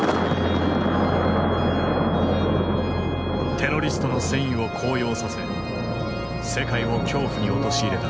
テロリストの戦意を高揚させ世界を恐怖に陥れた。